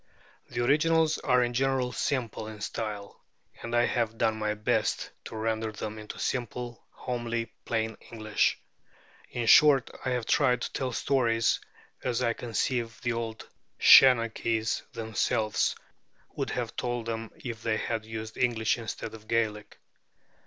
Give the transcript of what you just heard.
The originals are in general simple in style; and I have done my best to render them into simple, homely, plain English. In short, I have tried to tell the stories as I conceive the old Shenachies themselves would have told them if they had used English instead of Gaelic."